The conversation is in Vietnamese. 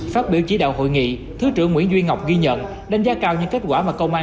phát biểu chỉ đạo hội nghị thứ trưởng nguyễn duy ngọc ghi nhận đánh giá cao những kết quả mà công an